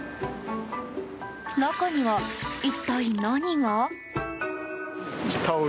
中には、一体何が？